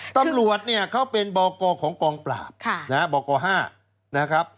ตำรวจเขาเป็นบอกกรของกองปราบบอกกร๕